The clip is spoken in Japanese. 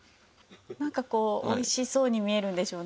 なんかこうおいしそうに見えるんでしょうね。